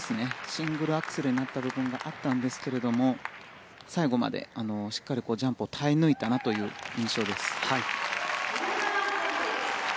シングルアクセルになった部分があったんですけれど最後までしっかりジャンプを耐え抜いたなという印象です。